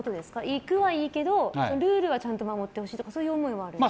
行くはいいけどルールは守ってほしいとかそういう思いはあるんですか。